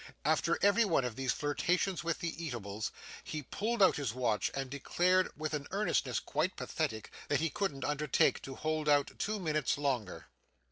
After every one of these flirtations with the eatables, he pulled out his watch, and declared with an earnestness quite pathetic that he couldn't undertake to hold out two minutes longer.